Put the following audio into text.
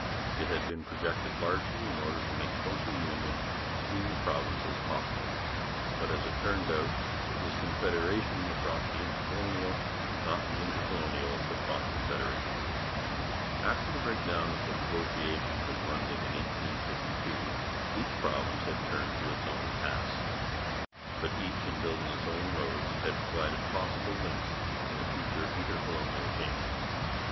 It had been projected largely in order to make closer union between the provinces possible, but, as it turned out, it was Confederation that brought the Intercolonial, not the Intercolonial that brought Confederation. After the breakdown of the negotiations in London in 1852, each province had turned to its own tasks. But each in building its own roads had provided possible links in the future Intercolonial chain.